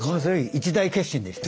一大決心でした。